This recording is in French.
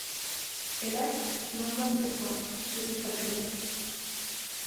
Hélas! je me moque de toi, peut-être as-tu raison.